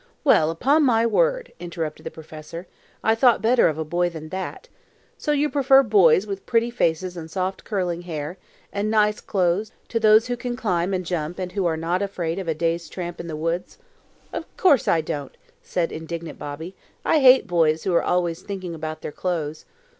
"Well, upon my word!" interrupted the professor. "I thought better of a boy than that. So you prefer boys with pretty faces and soft, curling hair, and nice clothes, to those who can climb and jump and who are not afraid of a day's tramp in the woods." "Of course I don't," said indignant Bobby. "I hate boys who are always thinking about their clothes."